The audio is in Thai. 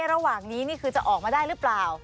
ระหว่างนี้นี่คือจะออกมาได้หรือเปล่า